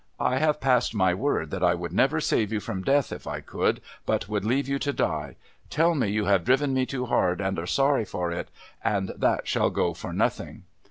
' I have passed my word that I would never save you from Death, if I could, but would leave you to die. Tell me you have driven me too hard and are sorry for it, and that shall go for nothing.'